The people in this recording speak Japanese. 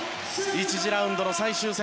１次ラウンドの最終戦